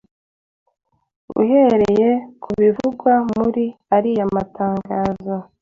Uhereye ku bivugwa muri ariya matangazo: